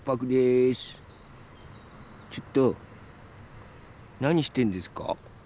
ちょっとなにしてんですか？